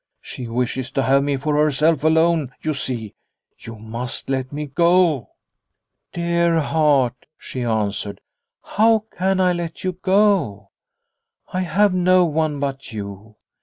She wishes to have me for herself alone, you see. You must let me go !" "Dear heart!" she answered, "how can I let you go ? I have no one but you.